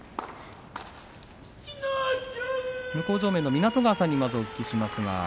向正面の湊川さんにお聞きします。